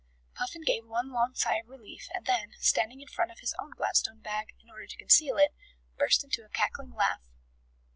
Puffin gave one long sigh of relief, and then, standing in front of his own Gladstone bag, in order to conceal it, burst into a cackling laugh.